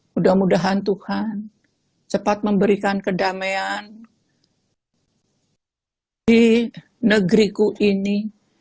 mudah mudahan tuhan cepat memberikan kedamaian di negeriku ini